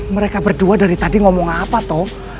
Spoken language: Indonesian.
mereka berdua dari tadi ngomong apa toh